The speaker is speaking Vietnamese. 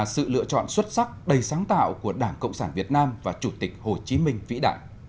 sự lựa chọn xuất sắc đầy sáng tạo của đảng cộng sản việt nam và chủ tịch hồ chí minh vĩ đại